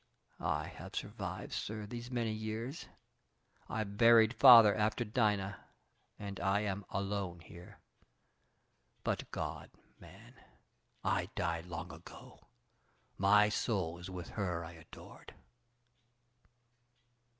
I have survived, sir, these many years. I buried Father after Dina, and I am alone here. But, God, man! I died long ago. My soul is with her I adored."